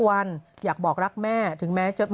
วันอยากบอกรักแม่